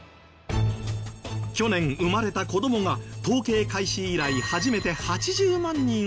去年生まれた子どもが統計開始以来初めて８０万人を下回り